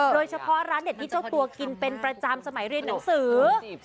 โดยเฉพาะร้านเด็ดที่เจ้าตัวกินเป็นประจำสมัยเรียนหนังสือ